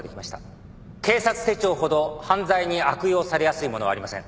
警察手帳ほど犯罪に悪用されやすいものはありません。